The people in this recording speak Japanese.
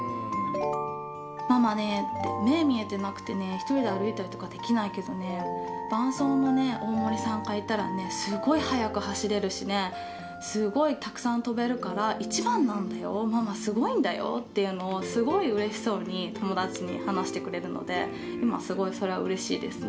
ママねって、目見えてなくてね、１人で歩いたりとかできないけどね、伴走のね、大森さんがいたらね、すごい速く走れるしね、すごいたくさん跳べるから、１番なんだよ、ママすごいんだよっていうのを、すごいうれしそうに友達に話してくれるので、今、それはすごいうれしいですね。